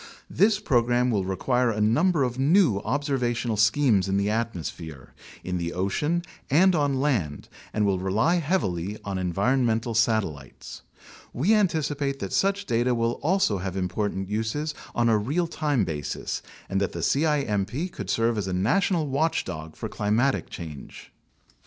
This program will require a num ber of new observational schemes in the atmosphere, in the ocean, and on land and will rely heavily on environmental satellites. We anticipate that such data will also have important uses on a real time basis and that the cimp could serve as a national watchdog for climatic change. 4.